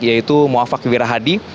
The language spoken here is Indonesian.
yaitu muafak wirahadi